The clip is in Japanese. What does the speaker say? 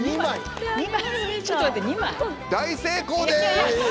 大成功です！